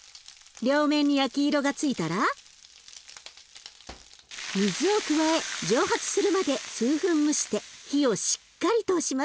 両面に焼き色がついたら水を加え蒸発するまで数分蒸して火をしっかり通します。